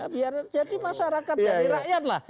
biar jadi masyarakat dari rakyat lah